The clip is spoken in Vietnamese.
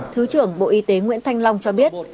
thứ trưởng bộ y tế nguyễn thanh long cho biết